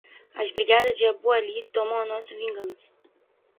As brigadas de Abu Ali tomam a nossa vingança